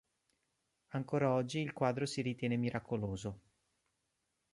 Ancora oggi il quadro si ritiene miracoloso.